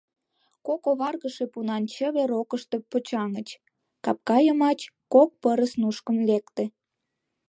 Кок оваргыше пунан чыве рокышто почаҥыч, капка йымач кок пырыс нушкын лекте.